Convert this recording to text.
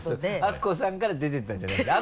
アッコさんから出ていったんじゃないんですね。